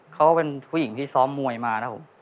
เขาเป็นผู้หญิงที่ซ้อมมวยมาครับผม